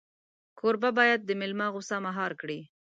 کوربه باید د مېلمه غوسه مهار کړي.